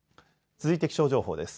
続いて気象情報です。